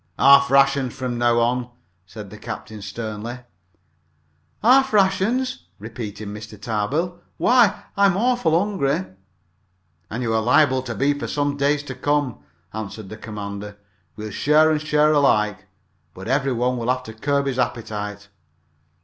"Half rations from now on," said the captain sternly. "Half rations!" repeated Mr. Tarbill. "Why, I'm awful hungry!" "And you're liable to be for some days to come," answered the commander. "We'll share and share alike, but every one will have to curb his appetite."